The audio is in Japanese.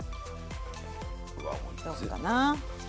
どうかな。